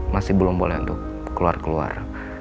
masih belum boleh untuk keluar keluar